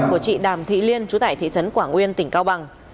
của chị đàm thị liên chú tại thị trấn quảng nguyên tỉnh cao bằng